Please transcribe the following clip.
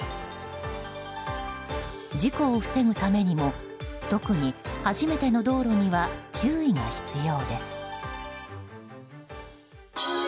事故を防ぐためにも特に初めての道路には注意が必要です。